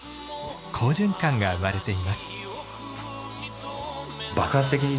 好循環が生まれています。